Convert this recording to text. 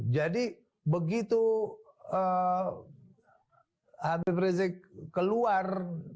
jadi begitu habib rizik keluar